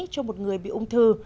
cho một người bị ung thư